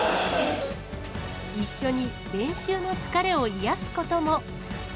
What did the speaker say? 一緒に練習の疲れを癒やすことも。